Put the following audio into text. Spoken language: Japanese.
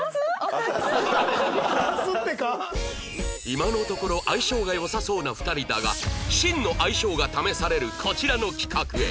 今のところ相性が良さそうな２人だが真の相性が試されるこちらの企画へ